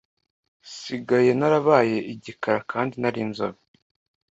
sigaye narabaye igikara kandi nari inzobe